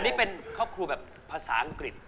นี่เป็นครอบครัวแบบภาษาอังกฤษ